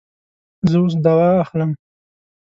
زه اوس دوا اخلم